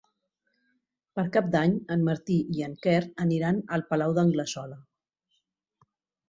Per Cap d'Any en Martí i en Quer aniran al Palau d'Anglesola.